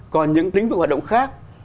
còn những tính vực hoạt động khác